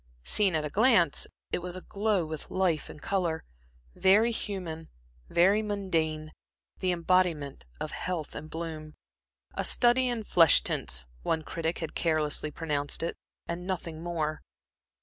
Seen at a glance, it was aglow with life and color, very human, very mundane, the embodiment of health and bloom. A study in flesh tints, one critic had carelessly pronounced it, and nothing more.